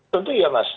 tentu ya mas